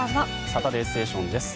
「サタデーステーション」です。